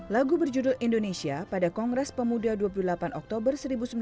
lagu berjudul indonesia pada kongres pemuda dua puluh delapan oktober seribu sembilan ratus empat puluh